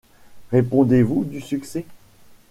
Répondez-vous du succès?